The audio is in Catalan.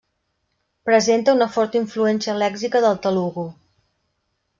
Presenta una forta influència lèxica del telugu.